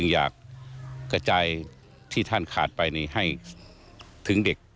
อยากกระจายที่ท่านขาดไปให้ถึงเด็ก